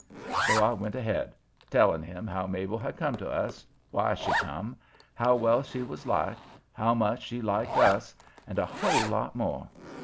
So I went ahead, telling him how Mabel had come to us, why she come, how well she was liked, how much she liked us, and a whole lot more.